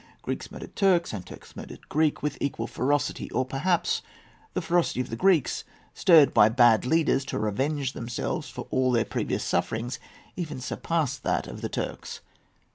Greeks murdered Turks, and Turks murdered Greeks, with equal ferocity; or perhaps the ferocity of the Greeks, stirred by bad leaders to revenge themselves for all their previous sufferings, even surpassed that of the Turks.